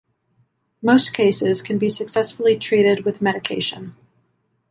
Most cases can be successfully treated with medication.